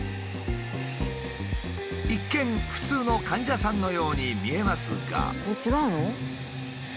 一見普通の患者さんのように見えますが。